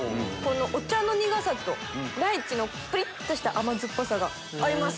お茶の苦さとライチのぷりっとした甘酸っぱさが合います！